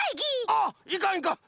あっいかんいかん！